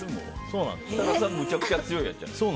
設楽さんがめちゃくちゃ強いやつじゃないですか。